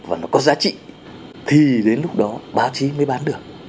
và nó có giá trị thì đến lúc đó báo chí mới bán được